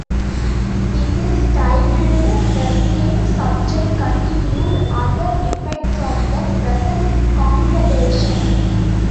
It is titled, The Same Subject Continued: Other Defects of the Present Confederation.